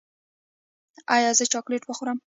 ایا زه چاکلیټ وخورم؟